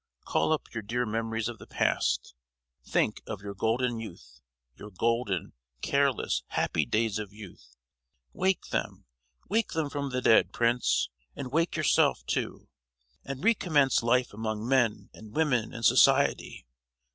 Call up your dear memories of the past; think of your golden youth—your golden, careless, happy days of youth! Wake them, wake them from the dead, Prince! and wake yourself, too; and recommence life among men and women and society!